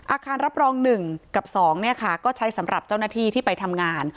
อาคารรับรองหนึ่งกับสองเนี้ยค่ะก็ใช้สำหรับเจ้าหน้าที่ที่ไปทำงาน